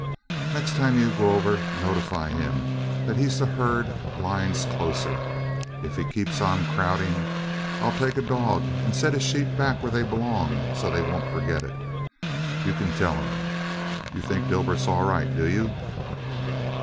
"Next time you go over, notify him that he's to herd lines closer. If he keeps on crowding, I'll take a dog and set his sheep back where they belong so they won't forget it. You can tell him. You think Dibert's all right, do you?"